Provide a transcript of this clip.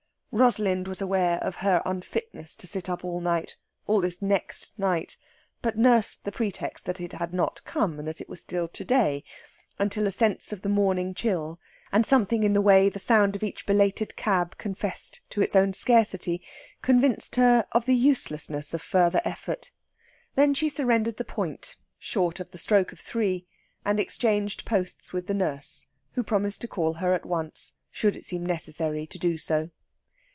Rosalind was aware of her unfitness to sit up all night all this next night but nursed the pretext that it had not come, and that it was still to day, until a sense of the morning chill, and something in the way the sound of each belated cab confessed to its own scarcity, convinced her of the uselessness of further effort. Then she surrendered the point, short of the stroke of three, and exchanged posts with the nurse, who promised to call her at once should it seem necessary to do so.